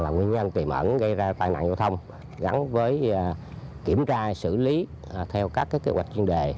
nguyên nhân tiềm ẩn gây ra tai nạn giao thông gắn với kiểm tra xử lý theo các kế hoạch chuyên đề